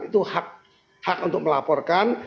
itu hak untuk melaporkan